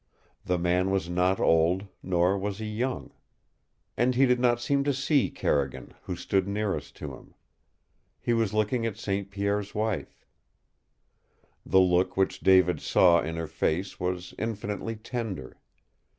The man was not old, nor was he young. And he did not seem to see Carrigan, who stood nearest to him. He was looking at St. Pierre's wife. The look which David saw in her face was infinitely tender.